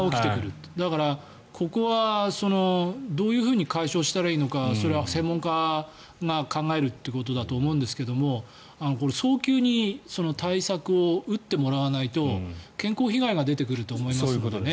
だから、ここはどういうふうに解消したらいいのかそれは専門家が考えるということだと思いますがこれ、早急に対策を打ってもらわないと健康被害が出てくると思いますのでね。